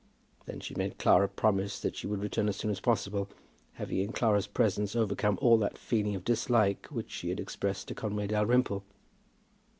Then she made Clara promise that she would return as soon as possible, having in Clara's presence overcome all that feeling of dislike which she had expressed to Conway Dalrymple.